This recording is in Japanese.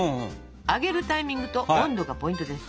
揚げるタイミングと温度がポイントです。